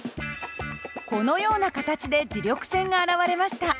このような形で磁力線が現れました。